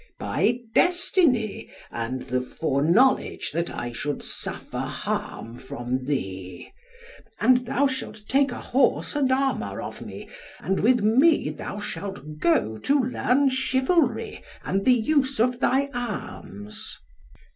"By destiny, and the foreknowledge that I should suffer harm from thee. And thou shalt take a horse and armour of me; and with me thou shalt go to learn chivalry and the use of thy arms."